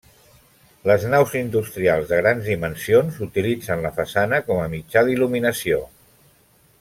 Les naus industrials de grans dimensions utilitzen la façana com a mitjà d'il·luminació.